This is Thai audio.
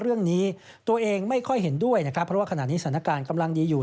เรื่องนี้ตัวเองไม่ค่อยเห็นด้วยนะครับเพราะว่าขณะนี้สถานการณ์กำลังดีอยู่